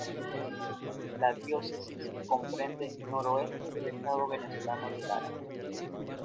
La diócesis comprende noroeste del estado venezolano de Lara.